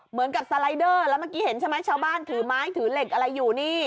เหมือนกับสไลเดอร์แล้วเมื่อกี้เห็นใช่ไหมชาวบ้านถือไม้ถือเหล็กอะไรอยู่นี่